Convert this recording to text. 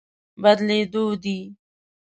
بدلېدو دی.